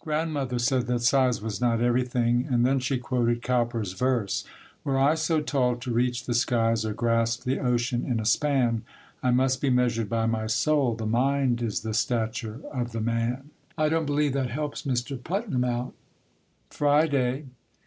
Grandmother said that size was not everything, and then she quoted Cowper's verse: "Were I so tall to reach the skies or grasp the ocean in a span, I must be measured by my soul, the mind is the stature of the man." I don't believe that helps Mr. Putnam out. _Friday.